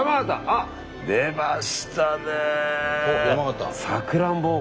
あっ出ましたね！